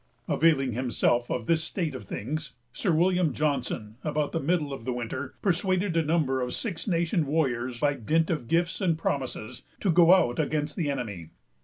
Availing himself of this state of things, Sir William Johnson, about the middle of the winter, persuaded a number of Six Nation warriors, by dint of gifts and promises, to go out against the enemy.